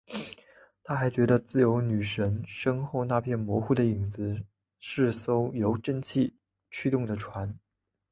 他还觉得自由女神身后那片模糊的影子是艘由蒸汽驱动的船。